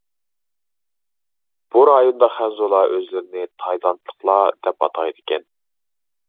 بۇ رايوندا خەنزۇلار ئۆزلىرىنى تايلاندلىقلار دەپ ئاتايدىكەن.